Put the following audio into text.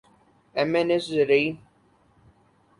M N S زرعی